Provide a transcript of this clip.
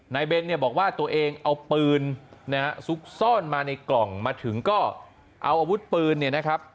เบนเนี่ยบอกว่าตัวเองเอาปืนนะฮะซุกซ่อนมาในกล่องมาถึงก็เอาอาวุธปืนเนี่ยนะครับ